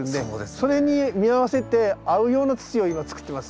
それに見合わせて合うような土を今つくってます。